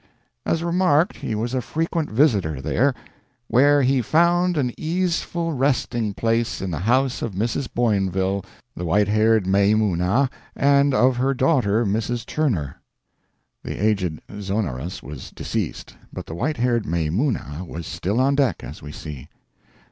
As remarked, he was a frequent visitor there, "where he found an easeful resting place in the house of Mrs. Boinville the white haired Maimuna and of her daughter, Mrs. Turner." The aged Zonoras was deceased, but the white haired Maimuna was still on deck, as we see.